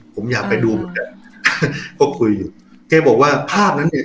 ผมอยากไปดูเขาคุยอยู่เขาบอกว่าภาพนั้นเนี่ย